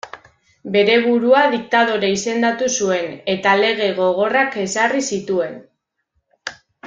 Bere burua diktadore izendatu zuen eta lege gogorrak ezarri zituen.